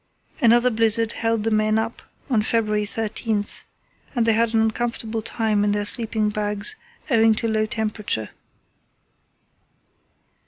Another blizzard held the men up on February 13, and they had an uncomfortable time in their sleeping bags owing to low temperature.